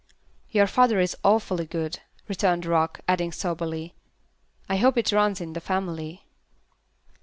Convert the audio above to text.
"Your father is awfully good," returned Rock, adding soberly, "I hope it runs in the family."